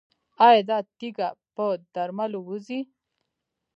ایا دا تیږه په درملو وځي؟